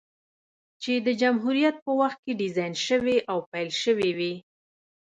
چې د جمهوريت په وخت کې ډيزاين شوې او پېل شوې وې،